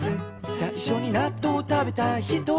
「さいしょになっとう食べた人は」